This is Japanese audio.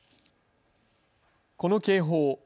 この警報。